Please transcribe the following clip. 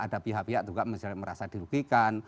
ada pihak pihak juga merasa dirugikan